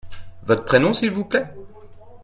Votre prénom, s'il vous plait ?